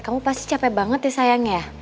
kamu pasti capek banget ya sayangnya